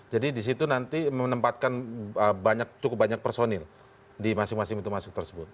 jadi disitu nanti menempatkan cukup banyak personil di masing masing pintu masuk tersebut